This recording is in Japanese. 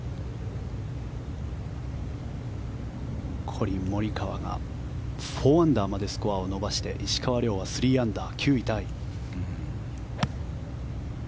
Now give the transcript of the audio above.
コリン・モリカワが４アンダーまでスコアを伸ばして石川遼が３アンダー、９位タイ。